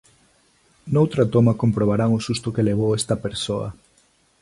Noutra toma comprobarán o susto que levou esta persoa.